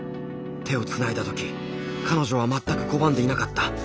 手をつないだ時彼女は全く拒んでいなかった。